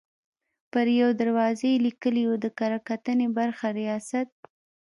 پر یوه دروازه یې لیکلي وو: د کره کتنې برخې ریاست.